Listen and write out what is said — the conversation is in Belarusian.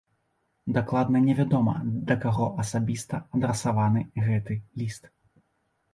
Дакладна невядома да каго асабіста адрасаваны гэты ліст.